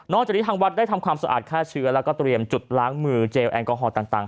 จากนี้ทางวัดได้ทำความสะอาดฆ่าเชื้อแล้วก็เตรียมจุดล้างมือเจลแอลกอฮอลต่าง